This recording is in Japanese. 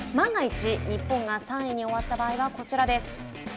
万が一日本が３位に終わった場合はこちらです。